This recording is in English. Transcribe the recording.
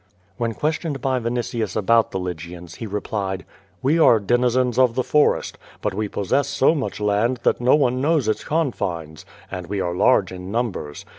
Wlien questioned by Vinitius about the Lygians, he re plied: "We are denizens of the forest, but we possess so much land that no one knows its confines, and we are large in num bers.